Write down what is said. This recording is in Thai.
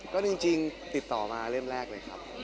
ก็จริงติดต่อมาเล่มแรกเลยครับ